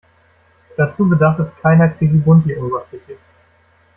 Dazu bedarf es keiner klickibunti Oberfläche.